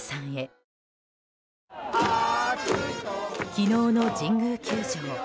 昨日の神宮球場。